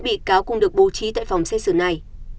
tám mươi một bị cáo cũng được bố trí tại phòng xét xử này